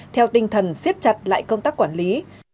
theo tinh thần siết chặt lại công tác quản lý